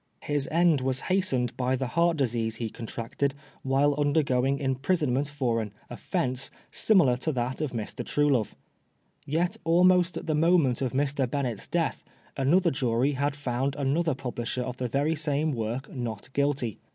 His end was hastened by the heart disease he contracted while undergoing im prisonment for an "offence " similar to that of Mr. Truelove. Yet almost at the moment of Mr. Bennett's death, another jury had found another publisher of the very same work Not Guilty.